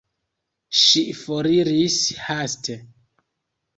Ŝi foriris haste.